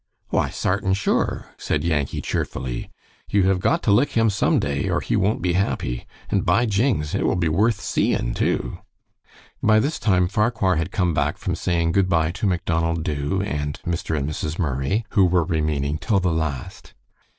"Why, sartin sure," said Yankee, cheerfully. "You have got to lick him some day, or he won't be happy; and by jings! it will be worth seein', too." By this time Farquhar had come back from saying good by to Macdonald Dubh and Mr. and Mrs. Murray, who were remaining till the last.